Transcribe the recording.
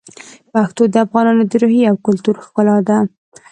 پښتو د افغانانو د روحیې او کلتور ښکلا ده.